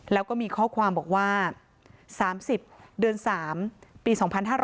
แล้วก็มีข้อความบอกว่า๓๐เดือน๓ปี๒๕๕๙